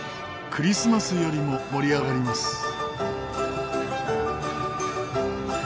クリスマスよりも盛り上がります。